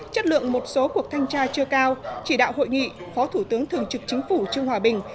chất lượng một số cuộc thanh tra chưa cao chỉ đạo hội nghị phó thủ tướng thường trực chính phủ trương hòa bình